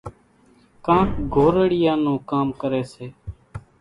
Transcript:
ڪانڪ گھورڙيئان نون ڪام ڪريَ سي۔